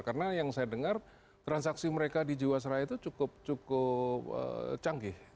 karena yang saya dengar transaksi mereka di jiwasraya itu cukup canggih